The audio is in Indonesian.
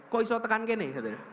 kok bisa tekan ke ini